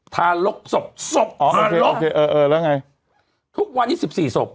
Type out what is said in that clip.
ทารกศพศพอ๋อทารกเออเออแล้วไงทุกวันนี้สิบสี่ศพ